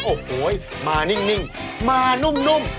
โอ้โหมานิ่งมานุ่ม